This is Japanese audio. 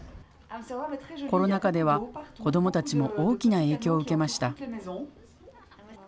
コロナ禍では子どもたちも大きな影響を受けました。